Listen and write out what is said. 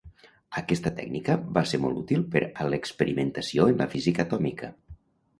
Aquesta tècnica va ser molt útil per a l'experimentació en la física atòmica.